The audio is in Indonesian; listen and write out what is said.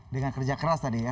dengan kerja keras tadi ya